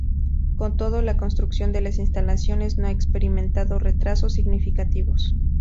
Con todo, la construcción de las instalaciones no ha experimentado retrasos significativos.